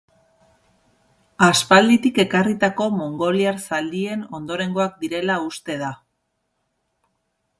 Aspalditik ekarritako mongoliar zaldien ondorengoak direla uste da.